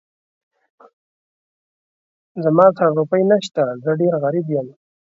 زما سره روپۍ نه شته، زه ډېر غريب يم.